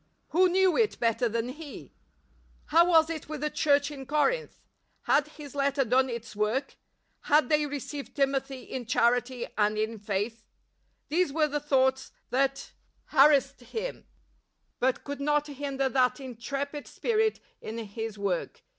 Who knew it better than he ? How was it with the Church in Corinth ? Had his letter done its work ? Had they received Timothy in charity and in faith? These were the thoughts that ham him, but could not hinder that intrepid spirit in his work.